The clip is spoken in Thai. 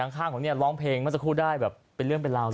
ข้างของเนี่ยร้องเพลงเมื่อสักครู่ได้แบบเป็นเรื่องเป็นราวเลย